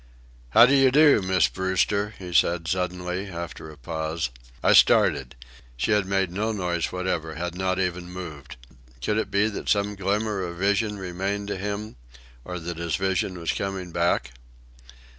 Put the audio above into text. "How do you do, Miss Brewster," he said suddenly, after a pause. I started. She had made no noise whatever, had not even moved. Could it be that some glimmer of vision remained to him? or that his vision was coming back?